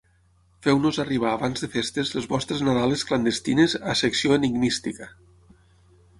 Feu-nos arribar abans de festes les vostres nadales clandestines a Secció Enigmística.